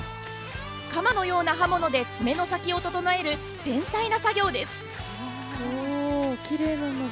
鎌のような刃物で爪の先を整える繊細な作業です。